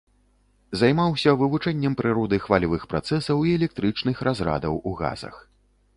Займаўся вывучэннем прыроды хвалевых працэсаў і электрычных разрадаў у газах.